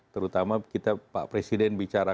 pertama pak presiden bicara